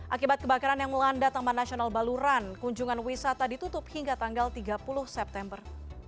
akibat kebakaran yang melanda taman nasional baluran kunjungan wisata ditutup hingga tanggal tiga puluh september